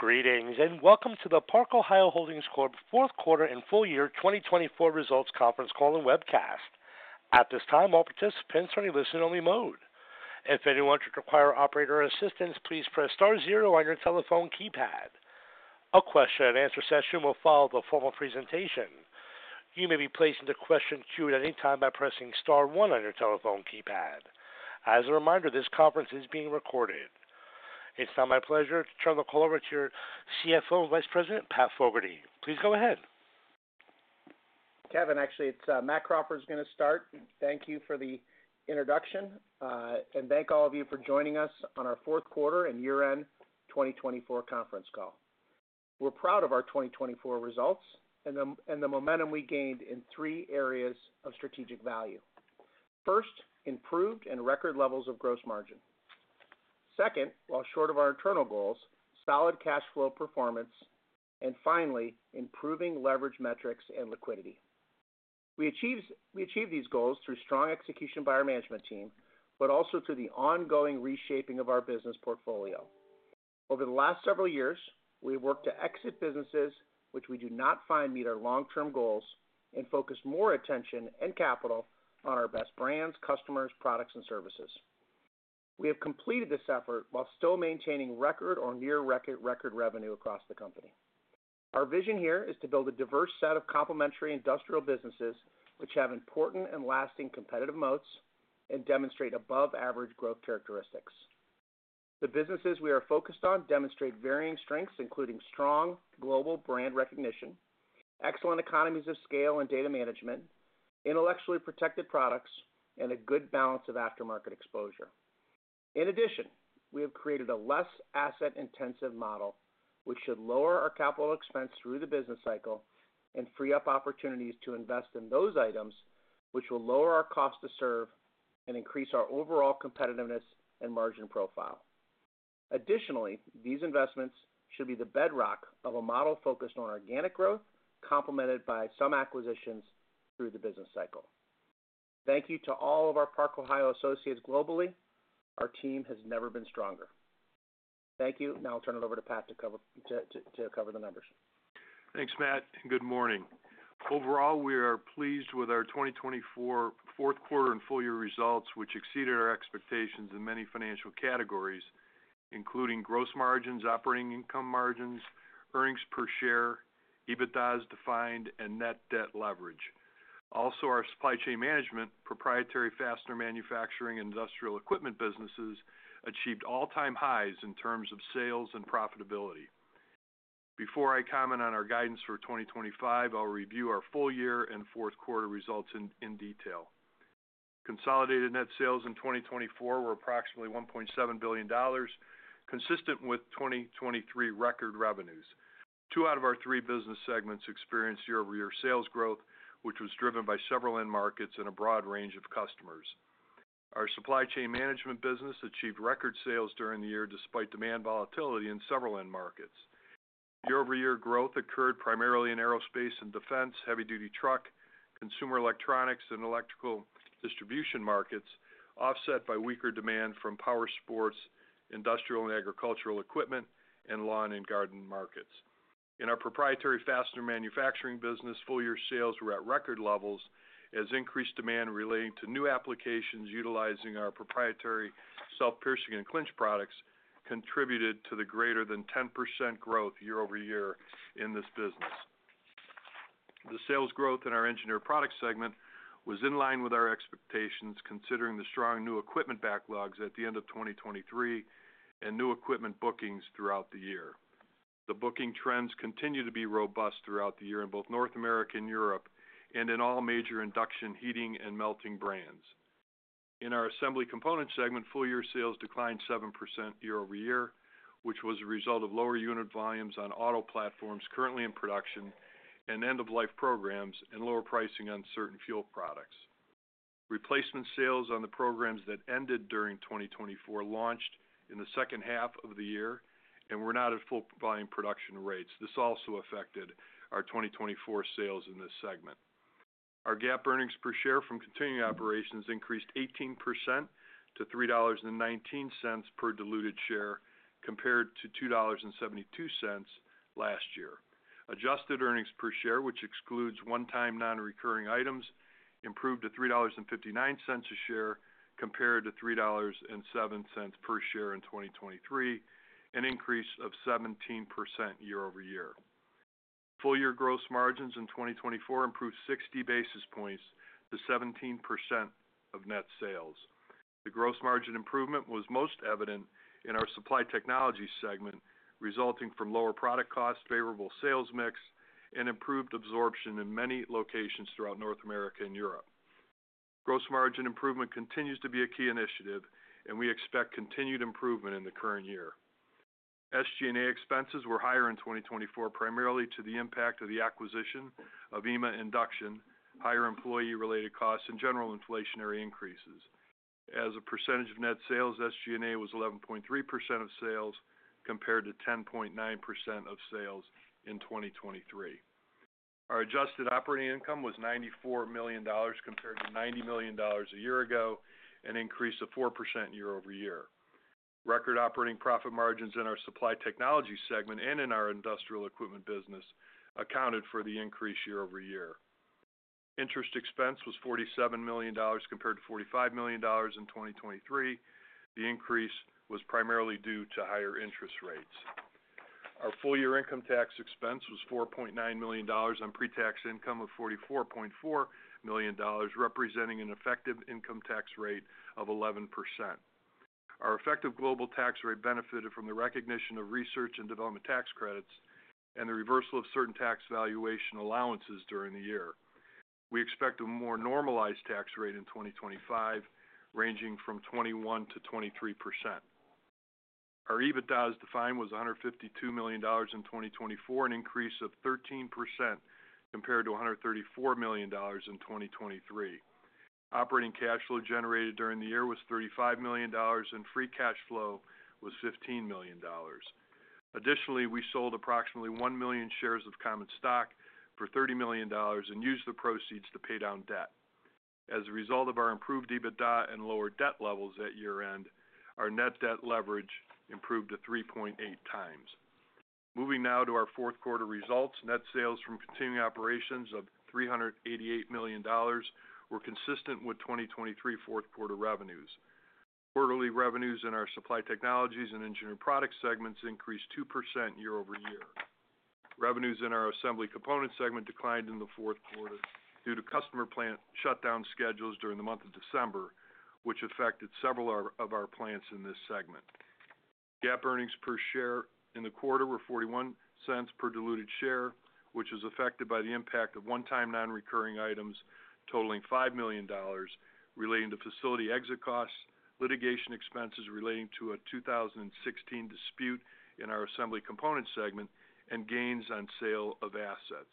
Greetings and welcome to the Park-Ohio Holdings Corp. Q4 and Full Year 2024 Results Conference Call and Webcast. At this time, all participants are in listen-only mode. If anyone should require operator assistance, please press star zero on your telephone keypad. A question-and-answer session will follow the formal presentation. You may be placed into question queue at any time by pressing star one on your telephone keypad. As a reminder, this conference is being recorded. It's now my pleasure to turn the call over to your CFO and Vice President, Pat Fogarty. Please go ahead. Kevin, actually, it's Matt Crawford going to start. Thank you for the introduction, and thank all of you for joining us on our Q4 and Year End 2024 Conference Call. We're proud of our 2024 results and the momentum we gained in three areas of strategic value. First, improved and record levels of gross margin. Second, while short of our internal goals, solid cash flow performance, and finally, improving leverage metrics and liquidity. We achieve these goals through strong execution by our management team, but also through the ongoing reshaping of our business portfolio. Over the last several years, we have worked to exit businesses which we do not find meet our long-term goals and focus more attention and capital on our best brands, customers, products, and services. We have completed this effort while still maintaining record or near-record revenue across the company. Our vision here is to build a diverse set of complementary industrial businesses which have important and lasting competitive moats and demonstrate above-average growth characteristics. The businesses we are focused on demonstrate varying strengths, including strong global brand recognition, excellent economies of scale and data management, intellectually protected products, and a good balance of aftermarket exposure. In addition, we have created a less asset-intensive model which should lower our capital expense through the business cycle and free up opportunities to invest in those items which will lower our cost to serve and increase our overall competitiveness and margin profile. Additionally, these investments should be the bedrock of a model focused on organic growth, complemented by some acquisitions through the business cycle. Thank you to all of our Park-Ohio associates globally. Our team has never been stronger. Thank you. Now I'll turn it over to Pat to cover the numbers. Thanks, Matt. Good morning. Overall, we are pleased with our 2024 Q4 and full year results, which exceeded our expectations in many financial categories, including gross margins, operating income margins, earnings per share, EBITDA as defined, and net debt leverage. Also, our supply chain management, proprietary fastener manufacturing, and industrial equipment businesses achieved all-time highs in terms of sales and profitability. Before I comment on our guidance for 2025, I'll review our full year and Q4 results in detail. Consolidated net sales in 2024 were approximately $1.7 billion, consistent with 2023 record revenues. Two out of our three business segments experienced year-over-year sales growth, which was driven by several end markets and a broad range of customers. Our supply chain management business achieved record sales during the year despite demand volatility in several end markets. Year-over-year growth occurred primarily in aerospace and defense, heavy-duty truck, consumer electronics, and electrical distribution markets, offset by weaker demand from power sports, industrial and agricultural equipment, and lawn and garden markets. In our proprietary fastener manufacturing business, full year sales were at record levels as increased demand relating to new applications utilizing our proprietary self-piercing and clinch products contributed to the greater than 10% growth year-over-year in this business. The sales growth in our Engineered Products segment was in line with our expectations, considering the strong new equipment backlogs at the end of 2023 and new equipment bookings throughout the year. The booking trends continue to be robust throughout the year in both North America and Europe and in all major induction, heating, and melting brands. In our Assembly Components segment, full year sales declined 7% year-over-year, which was a result of lower unit volumes on auto platforms currently in production and end-of-life programs and lower pricing on certain fuel products. Replacement sales on the programs that ended during 2024 launched in the second half of the year and were not at full-volume production rates. This also affected our 2024 sales in this segment. Our GAAP earnings per share from continuing operations increased 18% to $3.19 per diluted share, compared to $2.72 last year. Adjusted earnings per share, which excludes one-time non-recurring items, improved to $3.59 a share, compared to $3.07 per share in 2023, an increase of 17% year-over-year. Full year gross margins in 2024 improved 60 basis points to 17% of net sales. The gross margin improvement was most evident in our Supply Technologies segment, resulting from lower product costs, favorable sales mix, and improved absorption in many locations throughout North America and Europe. Gross margin improvement continues to be a key initiative, and we expect continued improvement in the current year. SG&A expenses were higher in 2024, primarily due to the impact of the acquisition of EMA Induction, higher employee-related costs, and general inflationary increases. As a percentage of net sales, SG&A was 11.3% of sales, compared to 10.9% of sales in 2023. Our adjusted operating income was $94 million, compared to $90 million a year ago, an increase of 4% year-over-year. Record operating profit margins in our Supply Technologies segment and in our industrial equipment business accounted for the increase year-over-year. Interest expense was $47 million, compared to $45 million in 2023. The increase was primarily due to higher interest rates. Our full year income tax expense was $4.9 million on pre-tax income of $44.4 million, representing an effective income tax rate of 11%. Our effective global tax rate benefited from the recognition of research and development tax credits and the reversal of certain tax valuation allowances during the year. We expect a more normalized tax rate in 2025, ranging from 21%-23%. Our EBITDA as defined was $152 million in 2024, an increase of 13%, compared to $134 million in 2023. Operating cash flow generated during the year was $35 million, and free cash flow was $15 million. Additionally, we sold approximately 1 million shares of common stock for $30 million and used the proceeds to pay down debt. As a result of our improved EBITDA and lower debt levels at year-end, our net debt leverage improved to 3.8 times. Moving now to our Q4 results, net sales from continuing operations of $388 million were consistent with 2023 Q4 revenues. Quarterly revenues in our Supply Technologies and Engineered Products segments increased 2% year-over-year. Revenues in our Assembly Components segment declined in the Q4 due to customer plant shutdown schedules during the month of December, which affected several of our plants in this segment. GAAP earnings per share in the quarter were $0.41 per diluted share, which was affected by the impact of one-time non-recurring items totaling $5 million relating to facility exit costs, litigation expenses relating to a 2016 dispute in our Assembly Components segment, and gains on sale of assets.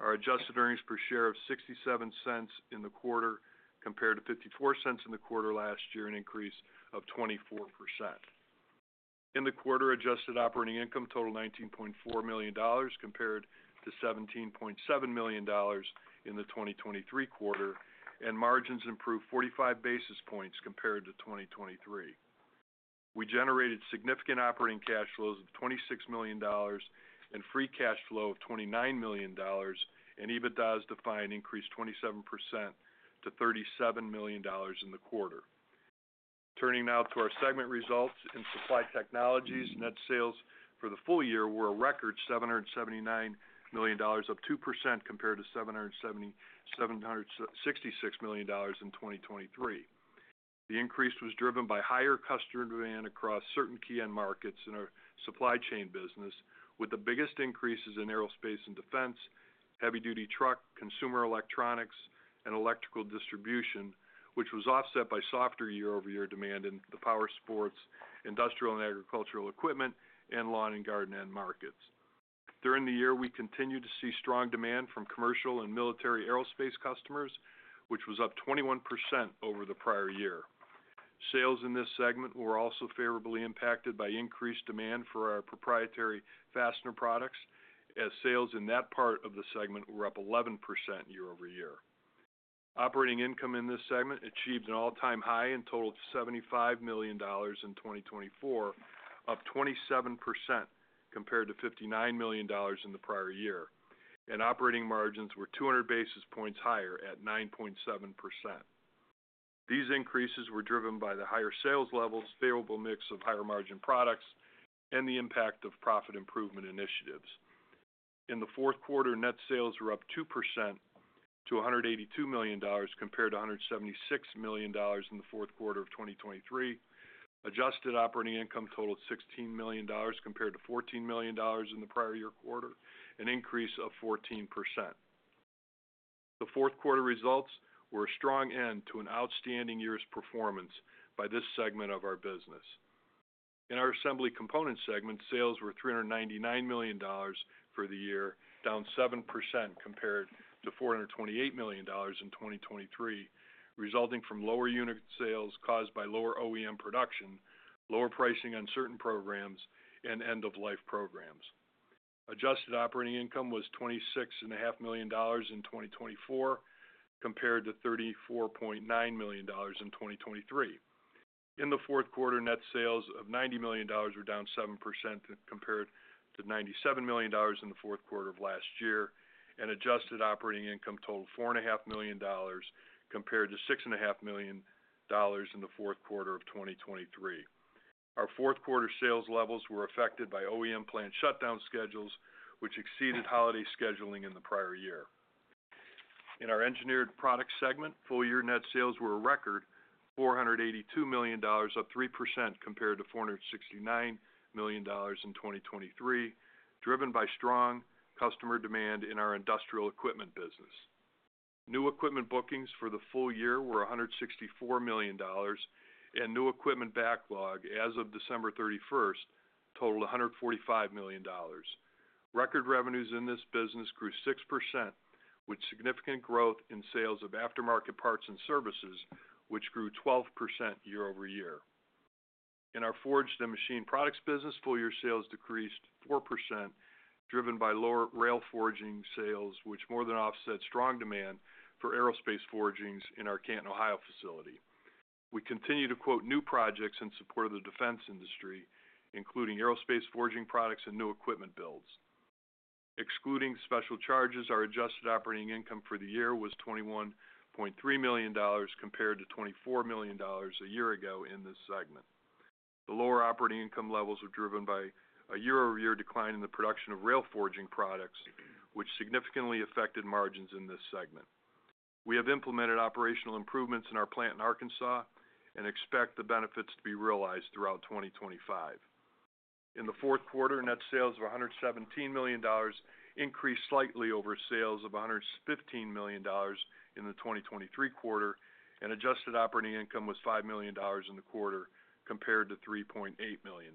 Our adjusted earnings per share of $0.67 in the quarter compared to $0.54 in the quarter last year, an increase of 24%. In the quarter, adjusted operating income totaled $19.4 million, compared to $17.7 million in the 2023 quarter, and margins improved 45 basis points compared to 2023. We generated significant operating cash flows of $26 million and free cash flow of $29 million, and EBITDA as defined increased 27% to $37 million in the quarter. Turning now to our segment results in Supply Technologies, net sales for the full year were a record $779 million, up 2% compared to $766 million in 2023. The increase was driven by higher customer demand across certain key end markets in our supply chain business, with the biggest increases in aerospace and defense, heavy-duty truck, consumer electronics, and electrical distribution, which was offset by softer year-over-year demand in the power sports, industrial and agricultural equipment, and lawn and garden end markets. During the year, we continued to see strong demand from commercial and military aerospace customers, which was up 21% over the prior year. Sales in this segment were also favorably impacted by increased demand for our proprietary fastener products, as sales in that part of the segment were up 11% year-over-year. Operating income in this segment achieved an all-time high and totaled $75 million in 2024, up 27% compared to $59 million in the prior year, and operating margins were 200 basis points higher at 9.7%. These increases were driven by the higher sales levels, favorable mix of higher margin products, and the impact of profit improvement initiatives. In the Q4, net sales were up 2% to $182 million compared to $176 million in the Q4 of 2023. Adjusted operating income totaled $16 million compared to $14 million in the prior year quarter, an increase of 14%. The Q4 results were a strong end to an outstanding year's performance by this segment of our business. In our Assembly Components segment, sales were $399 million for the year, down 7% compared to $428 million in 2023, resulting from lower unit sales caused by lower OEM production, lower pricing on certain programs, and end-of-life programs. Adjusted operating income was $26.5 million in 2024, compared to $34.9 million in 2023. In the Q4, net sales of $90 million were down 7% compared to $97 million in the Q4 of last year, and adjusted operating income totaled $4.5 million compared to $6.5 million in the Q4 of 2023. Our Q4 sales levels were affected by OEM plant shutdown schedules, which exceeded holiday scheduling in the prior year. In our Engineered Products segment, full year net sales were a record $482 million, up 3% compared to $469 million in 2023, driven by strong customer demand in our industrial equipment business. New equipment bookings for the full year were $164 million, and new equipment backlog as of December 31st totaled $145 million. Record revenues in this business grew 6%, with significant growth in sales of aftermarket parts and services, which grew 12% year-over-year. In our Forged and Machined Products business, full year sales decreased 4%, driven by lower rail forging sales, which more than offset strong demand for aerospace forgings in our Canton, Ohio facility. We continue to quote new projects in support of the defense industry, including aerospace forging products and new equipment builds. Excluding special charges, our adjusted operating income for the year was $21.3 million, compared to $24 million a year ago in this segment. The lower operating income levels were driven by a year-over-year decline in the production of rail forging products, which significantly affected margins in this segment. We have implemented operational improvements in our plant in Arkansas and expect the benefits to be realized throughout 2025. In the Q4, net sales of $117 million increased slightly over sales of $115 million in the 2023 quarter, and adjusted operating income was $5 million in the quarter, compared to $3.8 million.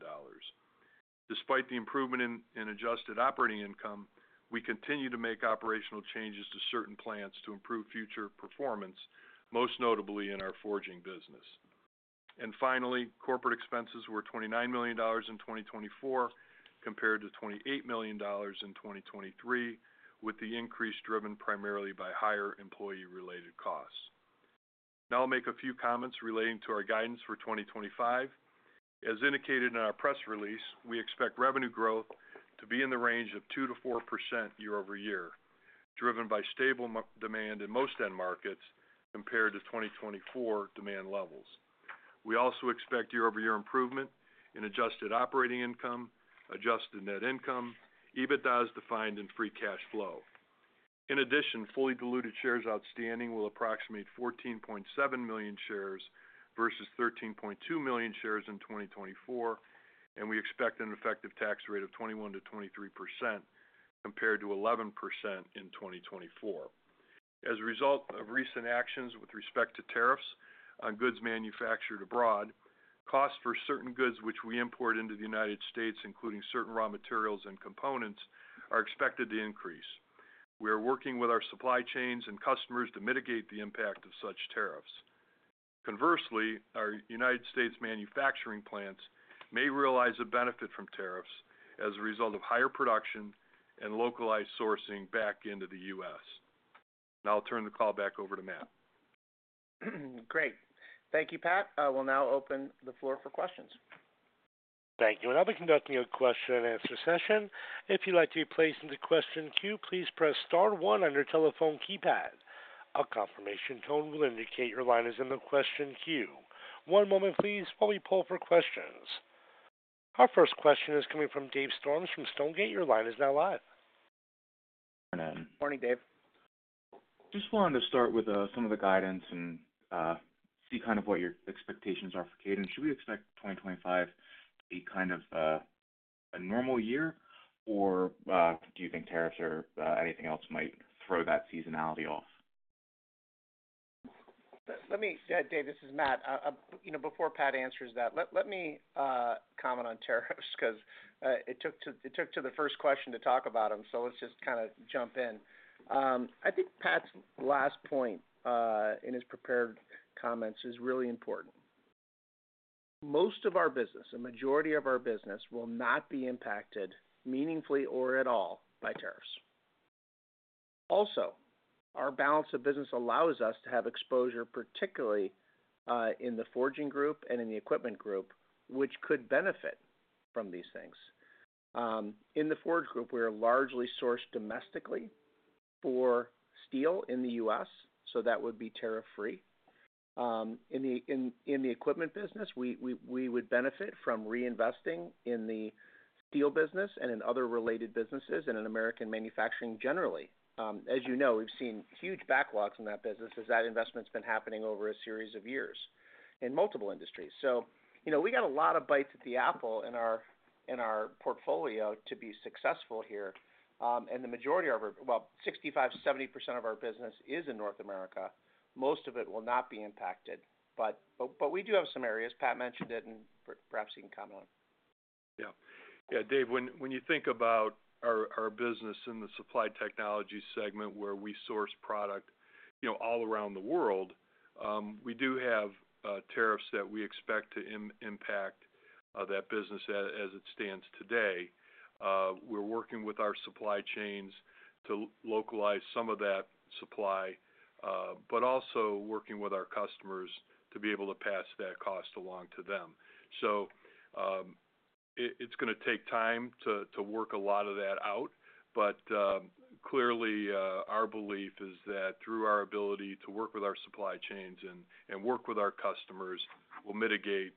Despite the improvement in adjusted operating income, we continue to make operational changes to certain plants to improve future performance, most notably in our forging business. Finally, corporate expenses were $29 million in 2024, compared to $28 million in 2023, with the increase driven primarily by higher employee-related costs. Now I'll make a few comments relating to our guidance for 2025. As indicated in our press release, we expect revenue growth to be in the range of 2%-4% year-over-year, driven by stable demand in most end markets compared to 2024 demand levels. We also expect year-over-year improvement in adjusted operating income, adjusted net income, EBITDA as defined, and free cash flow. In addition, fully diluted shares outstanding will approximate 14.7 million shares versus 13.2 million shares in 2024, and we expect an effective tax rate of 21%-23%, compared to 11% in 2024. As a result of recent actions with respect to tariffs on goods manufactured abroad, costs for certain goods which we import into the United States, including certain raw materials and components, are expected to increase. We are working with our supply chains and customers to mitigate the impact of such tariffs. Conversely, our U.S. manufacturing plants may realize a benefit from tariffs as a result of higher production and localized sourcing back into the U.S. Now I'll turn the call back over to Matt. Great. Thank you, Pat. We'll now open the floor for questions. Thank you. I will be conducting a question-and-answer session. If you'd like to be placed in the question queue, please press star one on your telephone keypad. A confirmation tone will indicate your line is in the question queue. One moment, please, while we pull for questions. Our first question is coming from Dave Storms from Stonegate. Your line is now live. Good morning. Morning, Dave. Just wanted to start with some of the guidance and see kind of what your expectations are for cadence. Should we expect 2025 to be kind of a normal year, or do you think tariffs or anything else might throw that seasonality off? Let me—Dave, this is Matt. Before Pat answers that, let me comment on tariffs because it took to the first question to talk about them, so let's just kind of jump in. I think Pat's last point in his prepared comments is really important. Most of our business, a majority of our business, will not be impacted meaningfully or at all by tariffs. Also, our balance of business allows us to have exposure, particularly in the forging group and in the equipment group, which could benefit from these things. In the forge group, we are largely sourced domestically for steel in the U.S., so that would be tariff-free. In the equipment business, we would benefit from reinvesting in the steel business and in other related businesses and in American manufacturing generally. As you know, we've seen huge backlogs in that business as that investment's been happening over a series of years in multiple industries. We got a lot of bites at the apple in our portfolio to be successful here. The majority of our—well, 65%-70% of our business is in North America. Most of it will not be impacted. We do have some areas. Pat mentioned it, and perhaps he can comment on it. Yeah. Yeah, Dave, when you think about our business in the Supply Technologies segment where we source product all around the world, we do have tariffs that we expect to impact that business as it stands today. We're working with our supply chains to localize some of that supply, but also working with our customers to be able to pass that cost along to them. It's going to take time to work a lot of that out, but clearly, our belief is that through our ability to work with our supply chains and work with our customers, we'll mitigate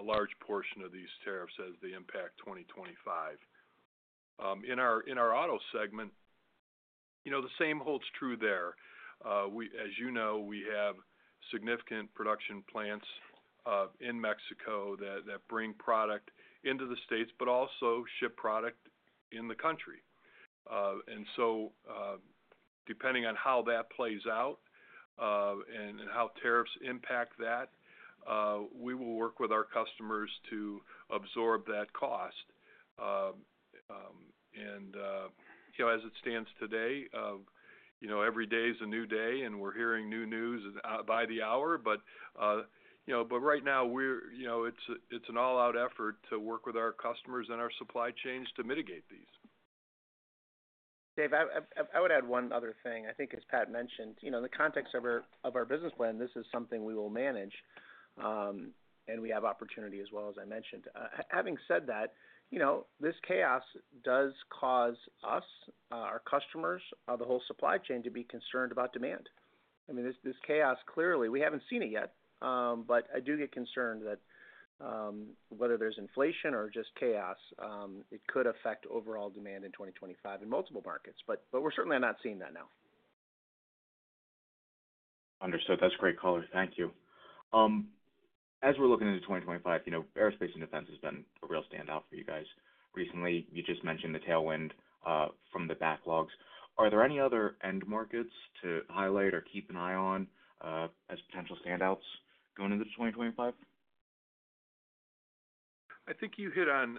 a large portion of these tariffs as they impact 2025. In our auto segment, the same holds true there. As you know, we have significant production plants in Mexico that bring product into the States, but also ship product in the country. Depending on how that plays out and how tariffs impact that, we will work with our customers to absorb that cost. As it stands today, every day is a new day, and we're hearing new news by the hour. Right now, it's an all-out effort to work with our customers and our supply chains to mitigate these. Dave, I would add one other thing. I think, as Pat mentioned, in the context of our business plan, this is something we will manage, and we have opportunity as well, as I mentioned. Having said that, this chaos does cause us, our customers, the whole supply chain to be concerned about demand. I mean, this chaos, clearly, we have not seen it yet, but I do get concerned that whether there is inflation or just chaos, it could affect overall demand in 2025 in multiple markets. We are certainly not seeing that now. Understood. That's great color. Thank you. As we're looking into 2025, aerospace and defense has been a real standout for you guys recently. You just mentioned the tailwind from the backlogs. Are there any other end markets to highlight or keep an eye on as potential standouts going into 2025? I think you hit on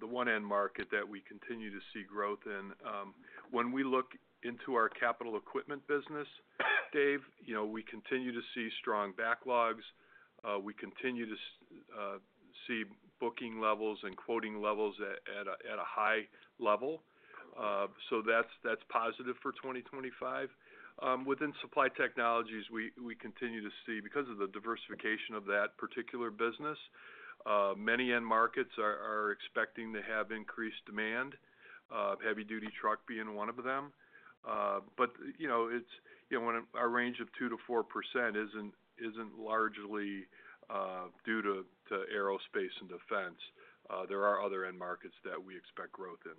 the one end market that we continue to see growth in. When we look into our capital equipment business, Dave, we continue to see strong backlogs. We continue to see booking levels and quoting levels at a high level. That is positive for 2025. Within Supply Technologies, we continue to see, because of the diversification of that particular business, many end markets are expecting to have increased demand, heavy-duty truck being one of them. When our range of 2%-4% is not largely due to aerospace and defense, there are other end markets that we expect growth in.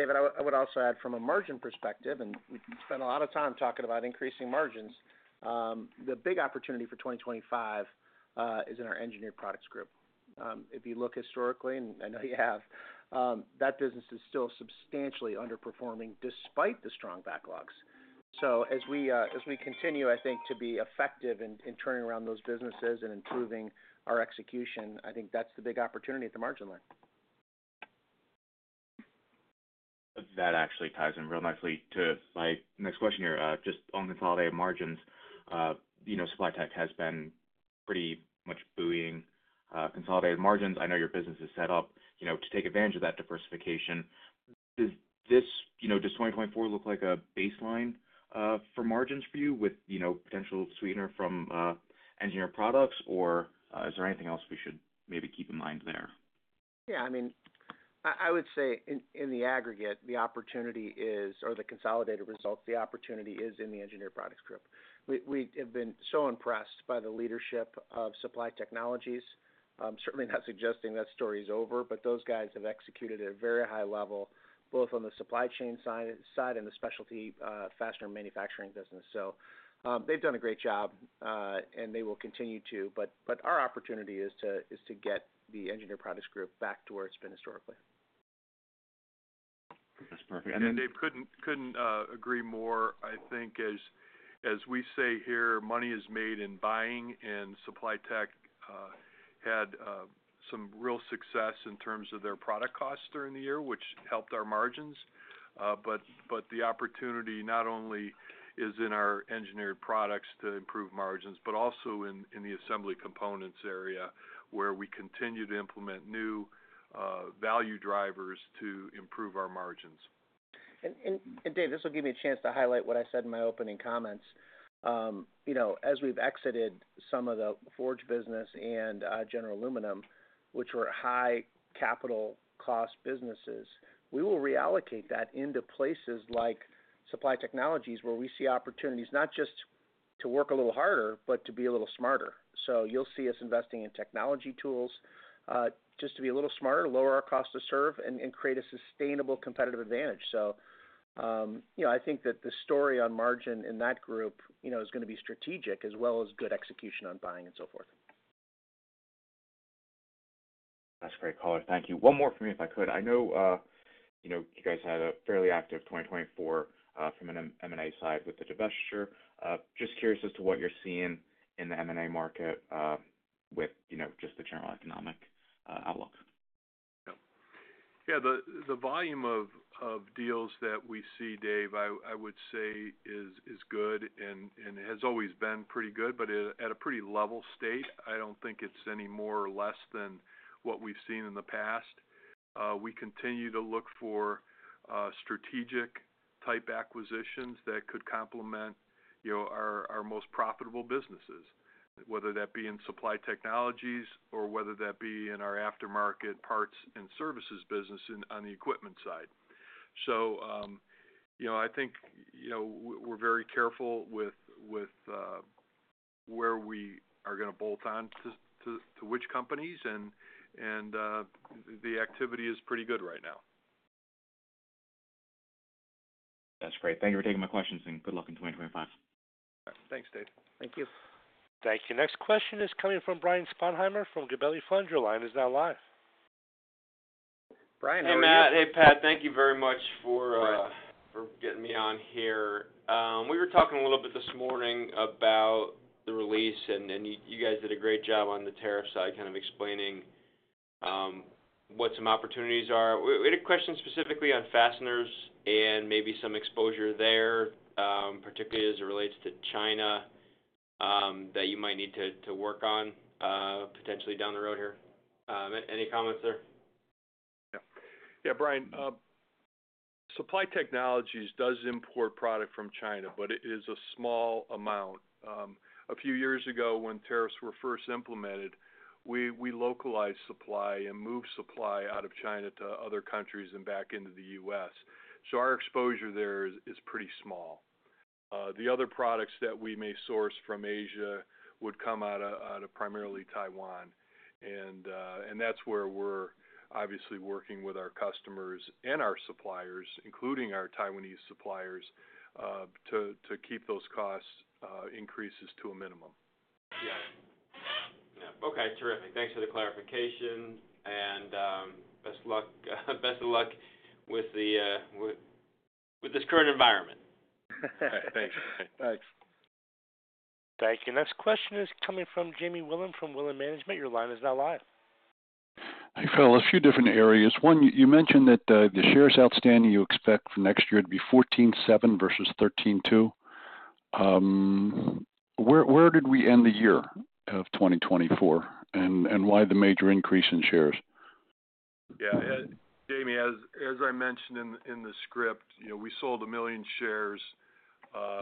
David, I would also add, from a margin perspective, and we spent a lot of time talking about increasing margins, the big opportunity for 2025 is in our Engineered Products group. If you look historically, and I know you have, that business is still substantially underperforming despite the strong backlogs. As we continue, I think, to be effective in turning around those businesses and improving our execution, I think that's the big opportunity at the margin line. That actually ties in real nicely to my next question here. Just on consolidated margins, Supply Technologies has been pretty much buoying consolidated margins. I know your business is set up to take advantage of that diversification. Does 2024 look like a baseline for margins for you with potential sweetener from Engineered Products, or is there anything else we should maybe keep in mind there? Yeah. I mean, I would say in the aggregate, the opportunity is, or the consolidated results, the opportunity is in the Engineered Products group. We have been so impressed by the leadership of Supply Technologies. Certainly not suggesting that story is over, those guys have executed at a very high level, both on the supply chain side and the specialty fastener manufacturing business. They have done a great job, and they will continue to. Our opportunity is to get the Engineered Products group back to where it's been historically. That's perfect. Dave, couldn't agree more. I think, as we say here, money is made in buying, and Supply Technologies had some real success in terms of their product costs during the year, which helped our margins. The opportunity not only is in our Engineered Products to improve margins, but also in the Assembly Components area where we continue to implement new value drivers to improve our margins. Dave, this will give me a chance to highlight what I said in my opening comments. As we've exited some of the forge business and General Aluminum, which were high capital cost businesses, we will reallocate that into places like Supply Technologies where we see opportunities not just to work a little harder, but to be a little smarter. You'll see us investing in technology tools just to be a little smarter, lower our cost to serve, and create a sustainable competitive advantage. I think that the story on margin in that group is going to be strategic as well as good execution on buying and so forth. That's great, Crawford. Thank you. One more for me, if I could. I know you guys had a fairly active 2024 from an M&A side with the divestiture. Just curious as to what you're seeing in the M&A market with just the general economic outlook. Yeah. The volume of deals that we see, Dave, I would say is good and has always been pretty good, but at a pretty level state. I do not think it is any more or less than what we have seen in the past. We continue to look for strategic-type acquisitions that could complement our most profitable businesses, whether that be in Supply Technologies or whether that be in our aftermarket parts and services business on the equipment side. I think we are very careful with where we are going to bolt on to which companies, and the activity is pretty good right now. That's great. Thank you for taking my questions, and good luck in 2025. All right. Thanks, Dave. Thank you. Thank you. Next question is coming from Brian Sponheimer from Gabelli Funds line. He's now live. Brian, how are you? Hey, Matt. Hey, Pat. Thank you very much for getting me on here. We were talking a little bit this morning about the release, and you guys did a great job on the tariff side, kind of explaining what some opportunities are. We had a question specifically on fasteners and maybe some exposure there, particularly as it relates to China that you might need to work on potentially down the road here. Any comments there? Yeah. Yeah, Brian, Supply Technologies does import product from China, but it is a small amount. A few years ago, when tariffs were first implemented, we localized supply and moved supply out of China to other countries and back into the US. Our exposure there is pretty small. The other products that we may source from Asia would come out of primarily Taiwan. That is where we are obviously working with our customers and our suppliers, including our Taiwanese suppliers, to keep those cost increases to a minimum. Yeah. Yeah. Okay. Terrific. Thanks for the clarification, and best of luck with this current environment. All right. Thanks. Thanks. Thank you. Next question is coming from Jamie Wilen from Wilen Management. Your line is now live. I fell a few different areas. One, you mentioned that the shares outstanding you expect for next year to be 14.7 versus 13.2. Where did we end the year of 2024, and why the major increase in shares? Yeah. Jamie, as I mentioned in the script, we sold a million shares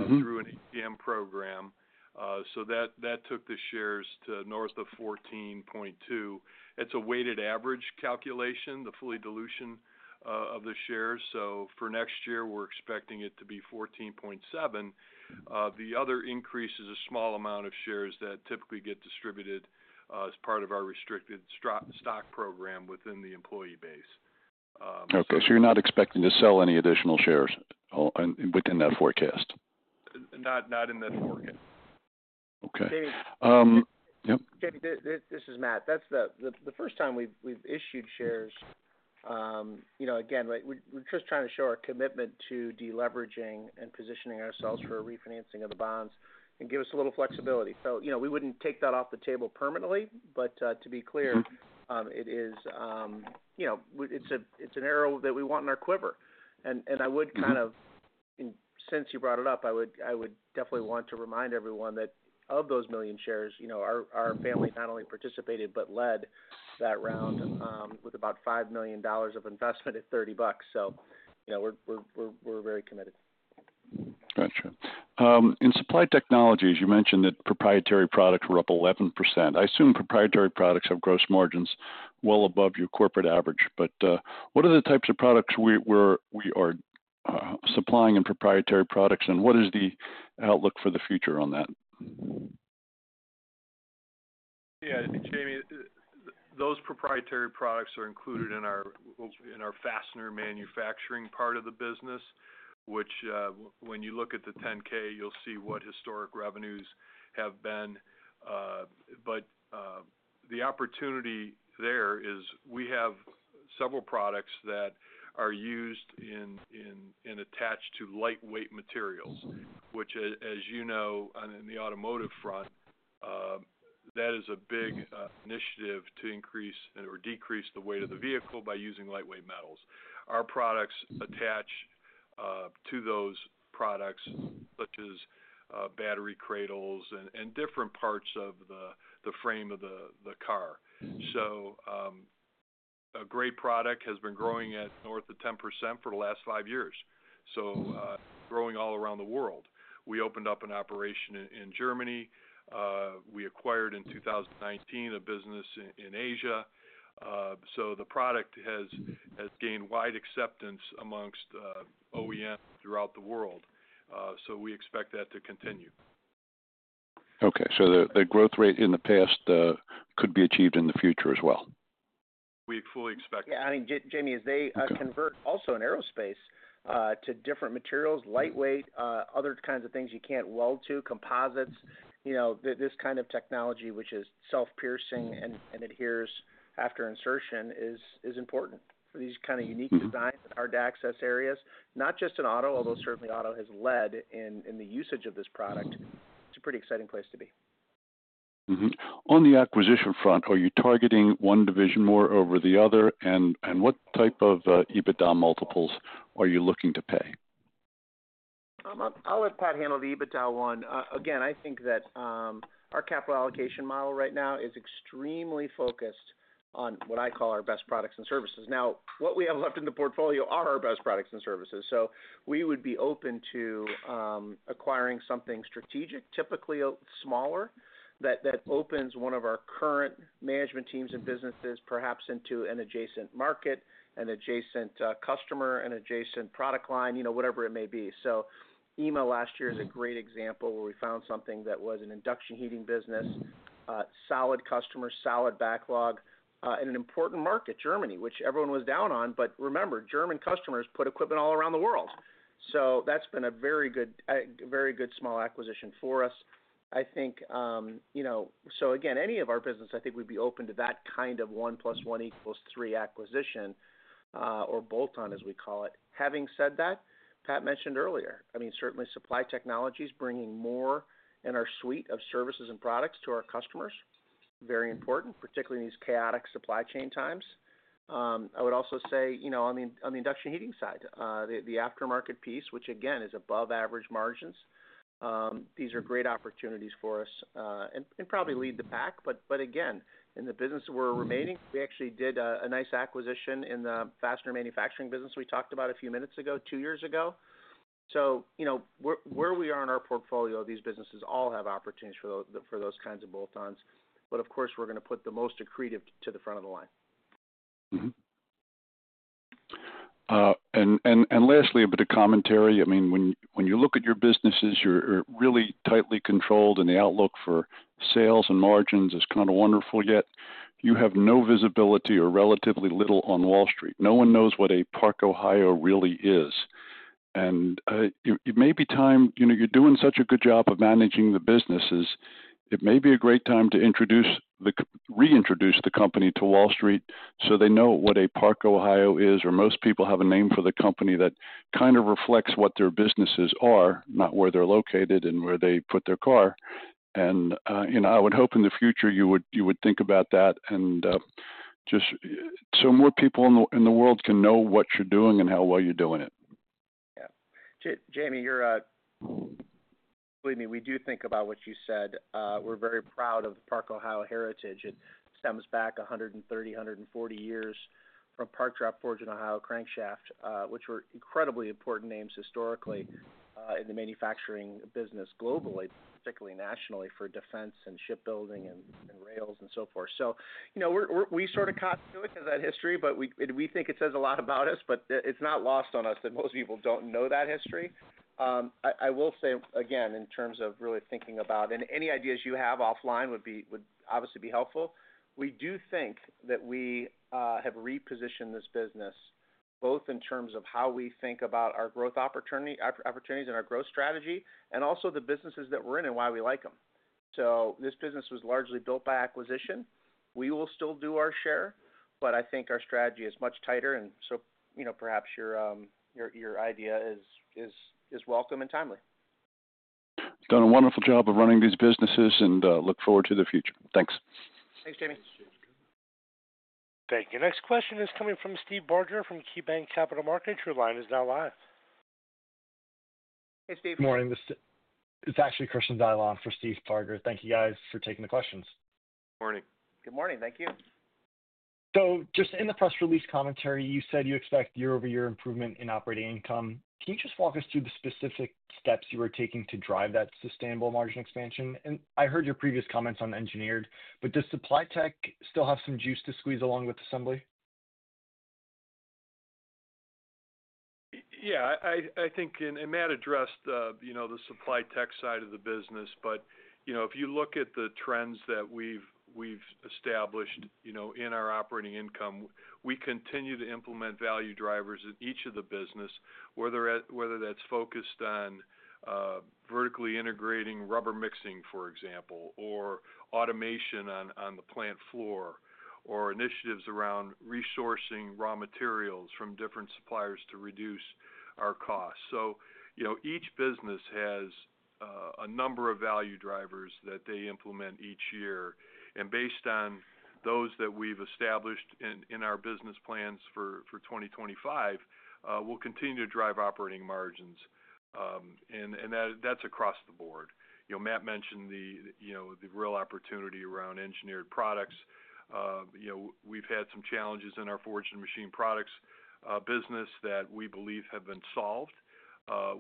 through an ATM program. That took the shares to north of 14.2. It's a weighted average calculation, the fully dilution of the shares. For next year, we're expecting it to be 14.7. The other increase is a small amount of shares that typically get distributed as part of our restricted stock program within the employee base. Okay. So you're not expecting to sell any additional shares within that forecast? Not in that forecast. Okay. Dave. Dave, this is Matt. The first time we've issued shares, again, we're just trying to show our commitment to deleveraging and positioning ourselves for refinancing of the bonds and give us a little flexibility. We wouldn't take that off the table permanently, but to be clear, it's an arrow that we want in our quiver. I would kind of, since you brought it up, I would definitely want to remind everyone that of those million shares, our family not only participated but led that round with about $5 million of investment at $30. So we're very committed. Gotcha. In Supply Technologies, you mentioned that proprietary products were up 11%. I assume proprietary products have gross margins well above your corporate average. What are the types of products we are supplying in proprietary products, and what is the outlook for the future on that? Yeah. Jamie, those proprietary products are included in our fastener manufacturing part of the business, which when you look at the 10-K, you'll see what historic revenues have been. The opportunity there is we have several products that are used and attached to lightweight materials, which, as you know, on the automotive front, that is a big initiative to increase or decrease the weight of the vehicle by using lightweight metals. Our products attach to those products, such as battery cradles and different parts of the frame of the car. A great product has been growing at north of 10% for the last five years, growing all around the world. We opened up an operation in Germany. We acquired in 2019 a business in Asia. The product has gained wide acceptance amongst OEMs throughout the world. We expect that to continue. Okay. The growth rate in the past could be achieved in the future as well. We fully expect that. Yeah. I mean, Jamie, as they convert also in aerospace to different materials, lightweight, other kinds of things you can't weld to, composites, this kind of technology, which is self-piercing and adheres after insertion, is important for these kind of unique designs and hard-to-access areas, not just in auto, although certainly auto has led in the usage of this product. It's a pretty exciting place to be. On the acquisition front, are you targeting one division more over the other, and what type of EBITDA multiples are you looking to pay? I'll let Pat handle the EBITDA one. Again, I think that our capital allocation model right now is extremely focused on what I call our best products and services. Now, what we have left in the portfolio are our best products and services. We would be open to acquiring something strategic, typically smaller, that opens one of our current management teams and businesses perhaps into an adjacent market, an adjacent customer, an adjacent product line, whatever it may be. EMA last year is a great example where we found something that was an induction heating business, solid customers, solid backlog, and an important market, Germany, which everyone was down on. Remember, German customers put equipment all around the world. That has been a very good small acquisition for us. I think, so again, any of our business, I think we'd be open to that kind of 1 plus 1 equals 3 acquisition or bolt-on, as we call it. Having said that, Pat mentioned earlier, I mean, certainly Supply Technologies bringing more in our suite of services and products to our customers, very important, particularly in these chaotic supply chain times. I would also say on the induction heating side, the aftermarket piece, which again is above average margins, these are great opportunities for us and probably lead the pack. Again, in the business we're remaining, we actually did a nice acquisition in the fastener manufacturing business we talked about a few minutes ago, two years ago. Where we are in our portfolio, these businesses all have opportunities for those kinds of bolt-ons. Of course, we're going to put the most accretive to the front of the line. Lastly, a bit of commentary. I mean, when you look at your businesses, you're really tightly controlled, and the outlook for sales and margins is kind of wonderful, yet you have no visibility or relatively little on Wall Street. No one knows what a Park-Ohio really is. It may be time, you're doing such a good job of managing the businesses. It may be a great time to reintroduce the company to Wall Street so they know what a Park-Ohio is, or most people have a name for the company that kind of reflects what their businesses are, not where they're located and where they put their car. I would hope in the future you would think about that, just so more people in the world can know what you're doing and how well you're doing it. Yeah. Jamie, believe me, we do think about what you said. We're very proud of the Park-Ohio heritage. It stems back 130, 140 years from Park Drop Forge and Ohio Crankshaft, which were incredibly important names historically in the manufacturing business globally, particularly nationally for defense and shipbuilding and rails and so forth. We sort of caught into it because of that history, but we think it says a lot about us. It is not lost on us that most people do not know that history. I will say, again, in terms of really thinking about it and any ideas you have offline would obviously be helpful. We do think that we have repositioned this business both in terms of how we think about our growth opportunities and our growth strategy and also the businesses that we're in and why we like them. This business was largely built by acquisition. We will still do our share, but I think our strategy is much tighter. And so perhaps your idea is welcome and timely. Done a wonderful job of running these businesses and look forward to the future. Thanks. Thanks, Jamie. Thank you. Next question is coming from Steve Barger from KeyBanc Capital Markets. Your line is now live. Hey, Steve. Good morning. This is actually Christian Dillon for Steve Barger. Thank you, guys, for taking the questions. Good morning. Good morning. Thank you. Just in the press release commentary, you said you expect year-over-year improvement in operating income. Can you just walk us through the specific steps you are taking to drive that sustainable margin expansion? I heard your previous comments on engineered, but does Supply Tech still have some juice to squeeze along with assembly? Yeah. I think, and Matt addressed the Supply Tech side of the business, but if you look at the trends that we've established in our operating income, we continue to implement value drivers in each of the business, whether that's focused on vertically integrating rubber mixing, for example, or automation on the plant floor, or initiatives around resourcing raw materials from different suppliers to reduce our costs. Each business has a number of value drivers that they implement each year. Based on those that we've established in our business plans for 2025, we'll continue to drive operating margins. That's across the board. Matt mentioned the real opportunity around Engineered Products. We've had some challenges in our Forged and Machined Products business that we believe have been solved,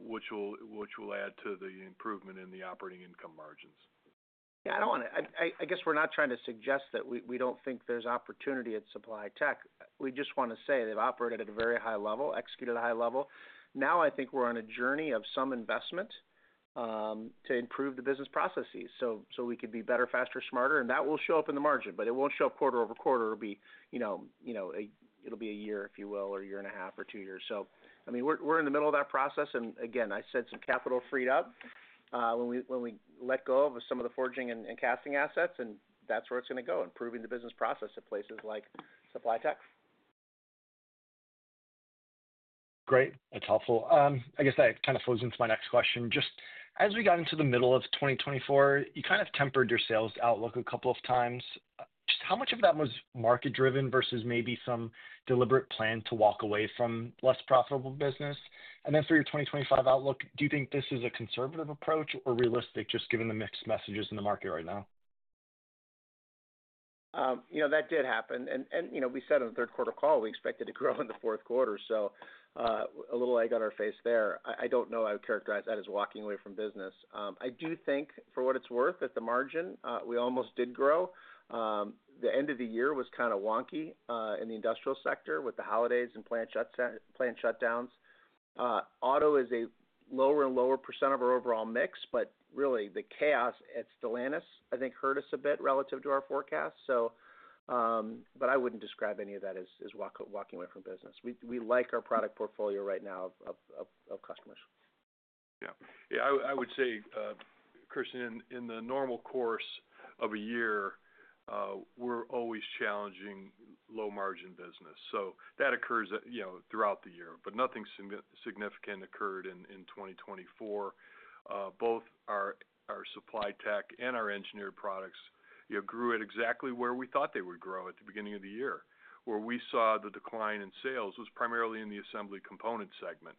which will add to the improvement in the operating income margins. Yeah. I do not want to—I guess we are not trying to suggest that we do not think there is opportunity at Supply Technologies. We just want to say they have operated at a very high level, executed at a high level. Now, I think we are on a journey of some investment to improve the business processes so we could be better, faster, smarter. That will show up in the margin, but it will not show up quarter over quarter. It will be a year if you will, or a year and a half, or two years. I mean, we are in the middle of that process. Again, I said some capital freed up when we let go of some of the forging and casting assets, and that is where it is going to go, improving the business process at places like Supply Technologies. Great. That's helpful. I guess that kind of flows into my next question. Just as we got into the middle of 2024, you kind of tempered your sales outlook a couple of times. Just how much of that was market-driven versus maybe some deliberate plan to walk away from less profitable business? And then for your 2025 outlook, do you think this is a conservative approach or realistic, just given the mixed messages in the market right now? That did happen. We said on the Q3 call, we expected to grow in the Q4. A little egg on our face there. I don't know. I would characterize that as walking away from business. I do think, for what it's worth, at the margin, we almost did grow. The end of the year was kind of wonky in the industrial sector with the holidays and plant shutdowns. Auto is a lower and lower % of our overall mix, but really, the chaos at Stellantis, I think, hurt us a bit relative to our forecast. I wouldn't describe any of that as walking away from business. We like our product portfolio right now of customers. Yeah. Yeah. I would say, Christian, in the normal course of a year, we're always challenging low-margin business. That occurs throughout the year, but nothing significant occurred in 2024. Both our Supply Tech and our Engineered Products grew at exactly where we thought they would grow at the beginning of the year. Where we saw the decline in sales was primarily in the Assembly Component segment.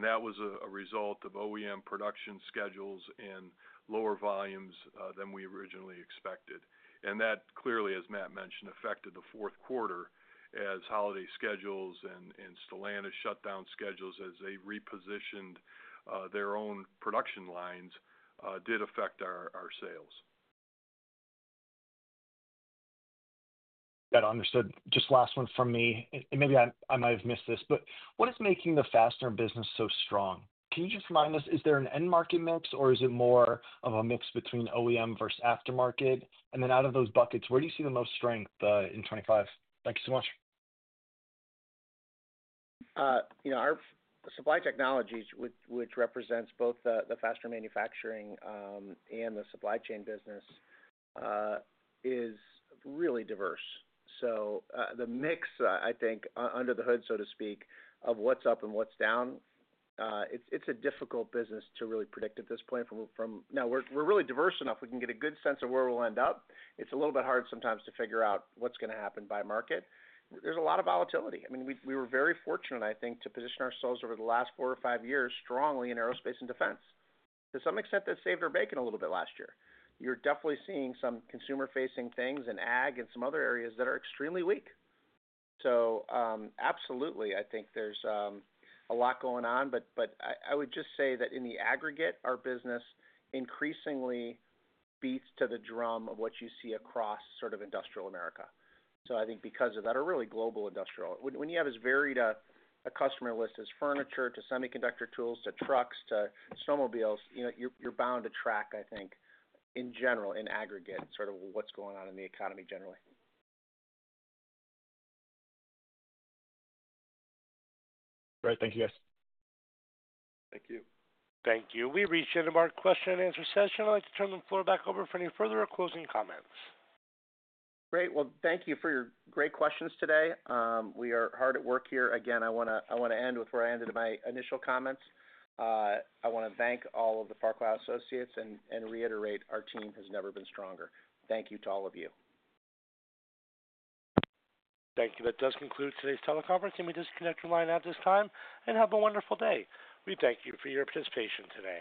That was a result of OEM production schedules and lower volumes than we originally expected. That clearly, as Matt mentioned, affected the Q4 as holiday schedules and Stellantis shutdown schedules as they repositioned their own production lines did affect our sales. Got it. Understood. Just last one from me. Maybe I might have missed this, but what is making the fastener business so strong? Can you just remind us, is there an end-market mix, or is it more of a mix between OEM versus aftermarket? Out of those buckets, where do you see the most strength in 2025? Thank you so much. Our Supply Technologies, which represents both the fastener manufacturing and the supply chain business, are really diverse. The mix, I think, under the hood, so to speak, of what's up and what's down, it's a difficult business to really predict at this point. Now, we're really diverse enough. We can get a good sense of where we'll end up. It's a little bit hard sometimes to figure out what's going to happen by market. There's a lot of volatility. I mean, we were very fortunate, I think, to position ourselves over the last four or five years strongly in aerospace and defense. To some extent, that saved our bacon a little bit last year. You're definitely seeing some consumer-facing things and ag and some other areas that are extremely weak. Absolutely, I think there's a lot going on. I would just say that in the aggregate, our business increasingly beats to the drum of what you see across sort of industrial America. I think because of that, our really global industrial, when you have as varied a customer list as furniture to semiconductor tools to trucks to snowmobiles, you're bound to track, I think, in general, in aggregate, sort of what's going on in the economy generally. Great. Thank you, guys. Thank you. Thank you. We've reached the end of our question and answer session. I'd like to turn the floor back over for any further or closing comments. Great. Thank you for your great questions today. We are hard at work here. Again, I want to end with where I ended my initial comments. I want to thank all of the Park-Ohio Associates and reiterate our team has never been stronger. Thank you to all of you. Thank you. That does conclude today's teleconference. You may disconnect your line at this time and have a wonderful day. We thank you for your participation today.